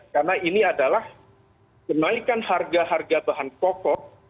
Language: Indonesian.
karena ini adalah menaikkan harga harga bahan kokoh